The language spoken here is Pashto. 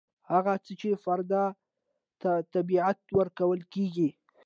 هغه څه چې فرد ته طبیعي ورکول کیږي.